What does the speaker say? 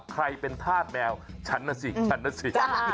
ใครเป็นธาตุแมวฉันน่ะสิฉันน่ะสิ